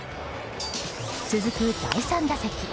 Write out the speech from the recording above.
続く第３打席。